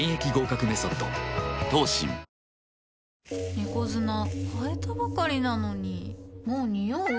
猫砂替えたばかりなのにもうニオう？